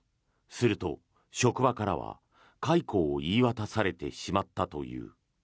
すると職場からは、解雇を言い渡されてしまったという。